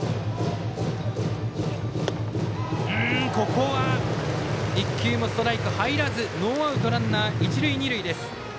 ここは１球もストライクが入らずノーアウトランナー、一塁二塁。